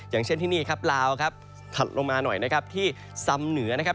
อย่างเช่นที่นี่ครับลาวครับถัดลงมาหน่อยนะครับที่ซ้ำเหนือนะครับ